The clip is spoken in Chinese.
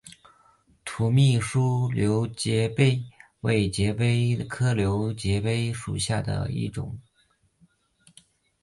土蜜树瘤节蜱为节蜱科瘤节蜱属下的一个种。